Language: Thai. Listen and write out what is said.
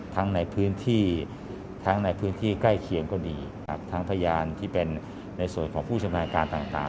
ทั้งในพื้นที่ใกล้เคียงก็ดีครับทั้งพยานที่เป็นในส่วนของผู้ชมพยาการต่าง